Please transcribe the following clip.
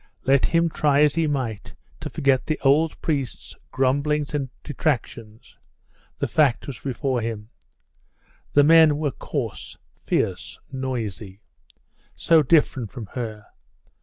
Let him try as he might to forget the old priest's grumblings and detractions, the fact was before him. The men were coarse, fierce, noisy.... so different from her!